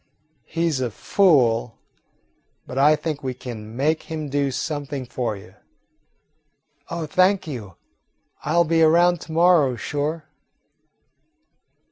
He 's a fool, but I think we can make him do something for you." "Oh, thank you, I 'll be around to morrow, sure."